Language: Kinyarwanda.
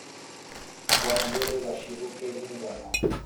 bongere bashibuke nk’ingano,